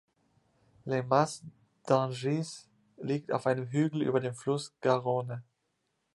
Le Mas-d’Agenais liegt auf einem Hügel über dem Fluss Garonne.